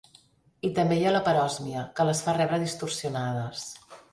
I també hi ha la paròsmia, que les fa rebre distorsionades.